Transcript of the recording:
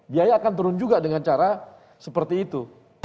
biaya akan turun juga dengan cara seperti itu